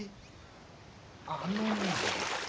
あのねぇ。